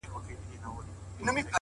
و حاکم ته سو ور وړاندي په عرضونو٫